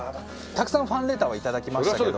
たくさんファンレターは頂きましたけど。